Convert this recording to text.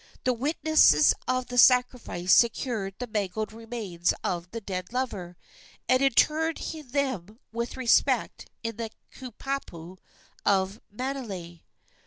The witnesses of the sacrifice secured the mangled remains of the dead lover, and interred them with respect in the kupapau of Manele.